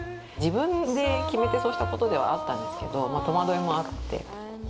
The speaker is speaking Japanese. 自分で決めてそうしたことではあったんですけど戸惑いもあって。